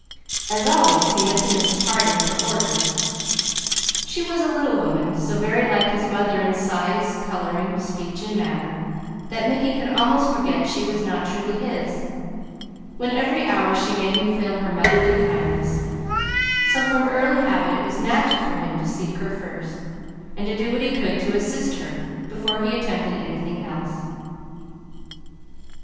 As always he went to Mrs. Harding for orders. She was a little woman, so very like his mother in size, colouring, speech, and manner, that Mickey could almost forget she was not truly his, when every hour she made him feel her motherly kindness; so from early habit it was natural with him to seek her first, and do what he could to assist her before he attempted anything else.